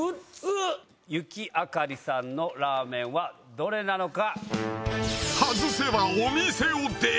雪あかりさんのラーメンはどれなのか。